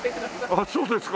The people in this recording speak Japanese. あっそうですか。